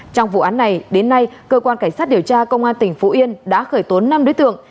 trong vụ án này đến nay cơ quan cảnh sát điều tra công an tỉnh phú yên đã khởi tố năm đối tượng